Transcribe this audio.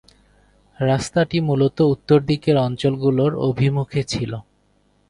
রাস্তাটি মুলত উত্তর দিকের অঞ্চল গুলোর অভিমুখে ছিল।